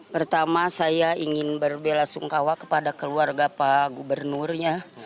pertama saya ingin berbela sungkawa kepada keluarga pak gubernurnya